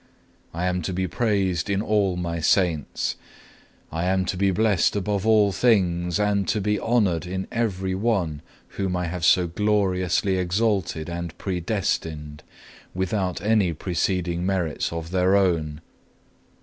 I am to be praised in all My Saints; I am to be blessed above all things, and to be honoured in every one whom I have so gloriously exalted and predestined, without any preceding merits of their own.